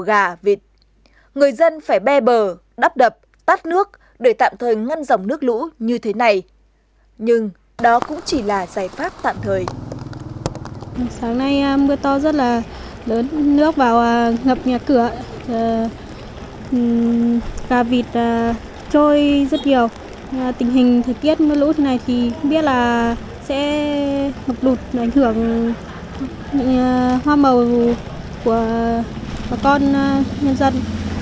tình hình thời tiết mưa lũ thế này thì không biết là sẽ mập đụt ảnh hưởng hoa màu của bà con nhân dân